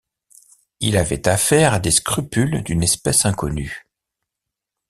Il avait affaire à des scrupules d’une espèce inconnue.